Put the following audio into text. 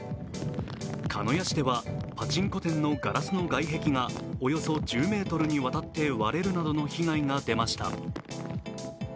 鹿屋市ではパチンコ店のガラスの外壁がおよそ１０ｍにわたって割れるなどの被害が出ました。